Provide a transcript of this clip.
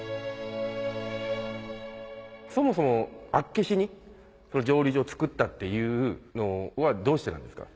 そもそも厚岸に蒸留所を造ったっていうのはどうしてなんですか？